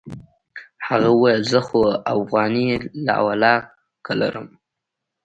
هغه وويل زه خو اوغانۍ لا ولله که لرم.